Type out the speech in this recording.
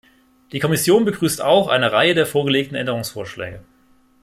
Die Kommission begrüßt auch eine Reihe der vorgelegten Änderungsvorschläge.